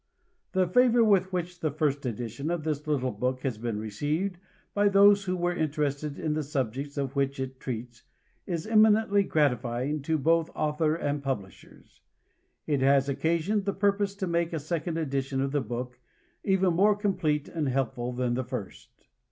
THE favor with which the first edition of this little book has been received by those who were interested in the subjects of which it treats, is eminently gratifying to both author and publishers. It has occasioned the purpose to make a second edition of the book, even more complete and helpful than the first.